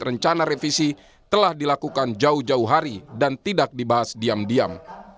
rencana revisi telah dilakukan jauh jauh hari dan tidak dibahas diam diam